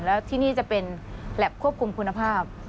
แล้วที่นี่จะเป็นแล็บควบคุมคุณภาพ